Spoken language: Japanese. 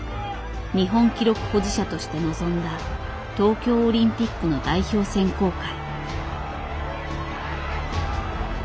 日本記録保持者として臨んだ東京オリンピックの代表選考会。